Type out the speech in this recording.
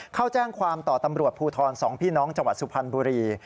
เข้าแจ้งความต่อตำรวจภูทร๒พี่น้องจังหวัดสุพรรณบุรี